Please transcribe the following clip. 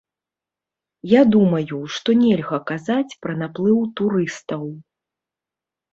Я думаю, што нельга казаць пра наплыў турыстаў.